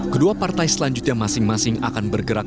kedua partai selanjutnya masing masing akan bergerak